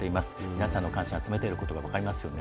皆さんの関心を集めていることが分かりますね。